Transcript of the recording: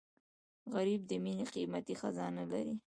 غریب د مینې قیمتي خزانه لري